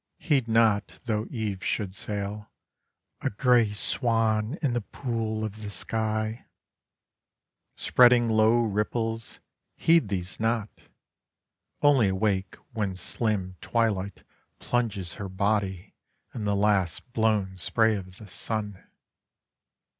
Heed not though eve Should sail, a grey swan, in the pool of the sky, Spreading low ripples. Heed these not! Only awake when slim twilight Plunges her body in the last blown spray of the sun!